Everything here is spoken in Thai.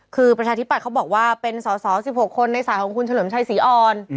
คือประชาธิบัตย์เขาบอกว่าเป็นสอสอ๑๖คนในสายของคุณเฉลิมชัยศรีอ่อน